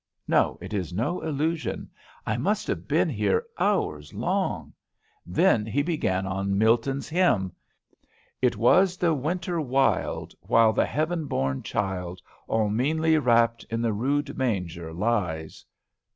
No, it is no illusion. I must have been here hours long! Then he began on Milton's hymn: "It was the winter wild, While the heaven born child, All meanly wrapt, in the rude manger lies."